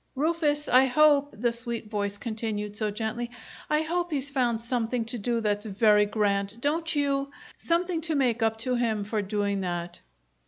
"Rufus, I hope," the sweet voice continued, so gently, "I hope he's found something to do that's very grand! Don't you? Something to make up to him for doing that!"